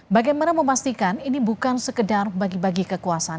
bagaimana memastikan ini bukan sekedar bagi bagi kekuasaan